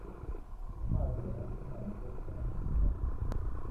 Amazi azwi nka "solvent rusange",